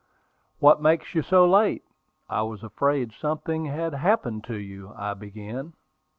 "What makes you so late? I was afraid something had happened to you," I began.